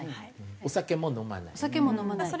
お酒も飲まない。